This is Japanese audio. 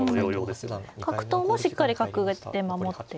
角頭もしっかり角で守っている。